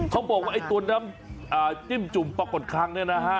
เขาบอกว่าตัวน้ำจิ้มจุ่มปลากดคัง